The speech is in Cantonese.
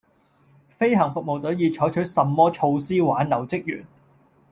飛行服務隊已採取甚麼措施挽留職員